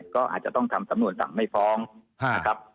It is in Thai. ก็อาจจะต้องทำสำนวนสั่งไม่ฟ้องนะครับ